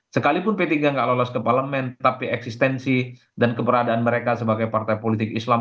sekalipun p tiga tidak lolos ke parlemen tapi eksistensi dan keberadaan mereka sebagai partai politik islam